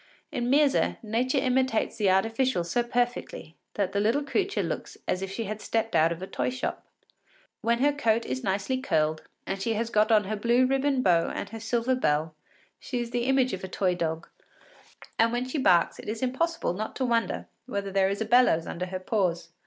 In Myrza, nature imitates the artificial so perfectly that the little creature looks as if she had stepped out of a toy shop. When her coat is nicely curled, and she has got on her blue ribbon bow and her silver bell, she is the image of a toy dog, and when she barks it is impossible not to wonder whether there is a bellows under her paws.